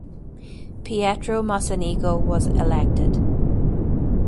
Pietro Mocenigo was elected.